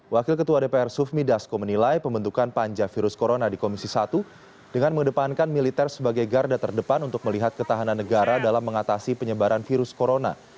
wakil ketua dpr sufmi dasko menilai pembentukan panja virus corona di komisi satu dengan mengedepankan militer sebagai garda terdepan untuk melihat ketahanan negara dalam mengatasi penyebaran virus corona